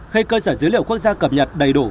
khi cơ sở dữ liệu quốc gia cập nhật đầy đủ